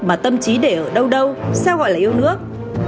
mà tâm trí để ở đâu đâu sao gọi là yêu nước